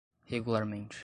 regularmente